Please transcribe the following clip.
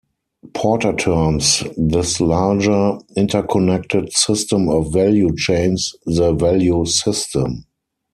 Porter terms this larger interconnected system of value chains the "value system".